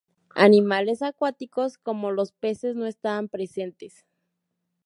Animales acuáticos como los peces no estaban presentes.